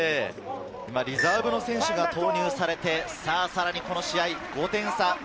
リザーブの選手が投入されてこの試合、５点差。